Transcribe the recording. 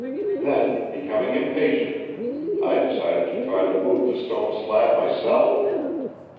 Then, becoming impatient, I decided to try to move the stone slab myself.